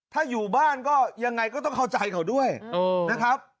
ถ้าอยู่บ้านก็ยังไงก็ต้องเข้าใจเขาด้วยนะครับ